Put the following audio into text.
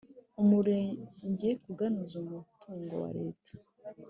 Umurenge kugaruza umutungo wa Leta